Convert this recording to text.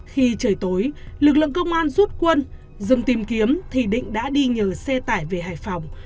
khi trời tối lực lượng công an rút quân dừng tìm kiếm thì định đã đi nhờ xe tải về hải phòng